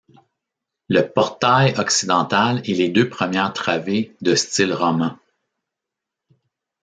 Le portail occidental et les deux premières travées de style roman.